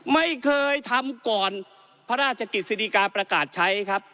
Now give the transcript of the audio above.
ไม่เคยทำก่อนพระราชกฤษฎิกาประกาศใช้ครับ